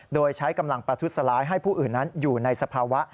โดยใช้กำลังประทุษร้ายให้ผู้อื่นนั้นอยู่ในสภาวะ